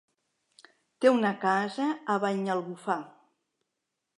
Té una casa a Banyalbufar.